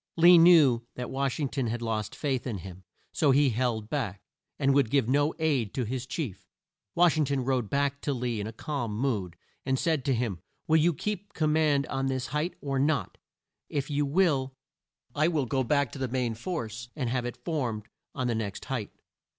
Lee knew that Wash ing ton had lost faith in him, so he held back, and would give no aid to his chief. Wash ing ton rode back to Lee in a calm mood, and said to him; "Will you keep the com mand on this height, or not? If you will, I will go back to the main force and have it formed on the next height."